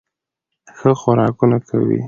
ښه خوراکونه کوي